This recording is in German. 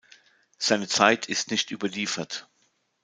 Seine Zeit ist nicht überliefert.